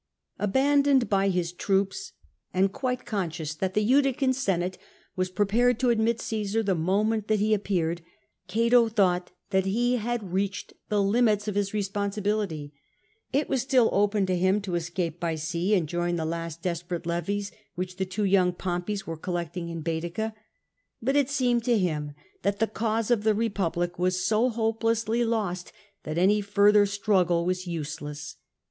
Abandoned by his troops, and quite conscious that the Utican senate was prepared to admit Caesar the moment that he appeared, Cato thought that he had reached the limits of his responsibility. It was still open to him to escape by sea, and join the last desperate levies which the two young Pompeys were collecting in Baetica. But it seemed to him that the cause of the Republic was so hope lessly lost that any further struggle was useless.